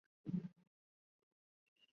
中国清朝官员。